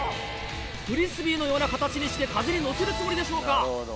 フリスビーのような形にして風に乗せるつもりでしょうか？